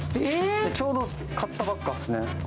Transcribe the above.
ちょうど買ったばっかですね。